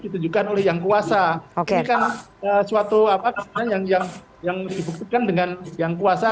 ditunjukkan oleh yang kuasa ini kan suatu apa yang yang dibuktikan dengan yang kuasa